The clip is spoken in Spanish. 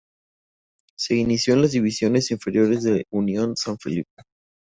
Se inició en las divisiones inferiores de Unión San Felipe.